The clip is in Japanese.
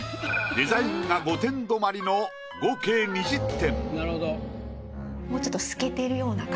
デザインが５点止まりの合計２０点。